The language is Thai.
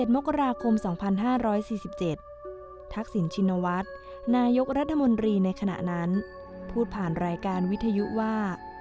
มกราคม๒๕๔๗ทักษิณชินวัฒน์นายกรัฐมนตรีในขณะนั้นพูดผ่านรายการวิทยุว่า